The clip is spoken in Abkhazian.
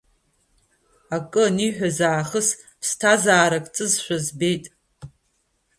Акы, аниҳәаз аахыс ԥсҭазаарак ҵызшәа збеит.